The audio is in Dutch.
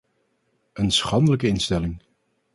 Een schandelijke instelling.